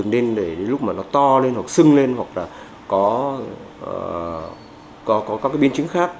để lúc mà nó to lên hoặc sưng lên hoặc là có các biên chứng khác